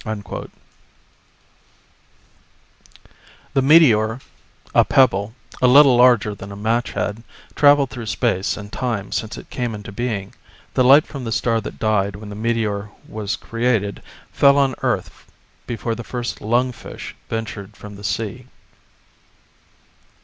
_ The meteor, a pebble, a little larger than a match head, traveled through space and time since it came into being. The light from the star that died when the meteor was created fell on Earth before the first lungfish ventured from the sea.